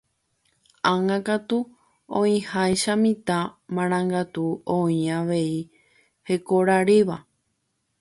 Ág̃a katu oĩháicha mitã marangatu oĩ avei hekoraríva.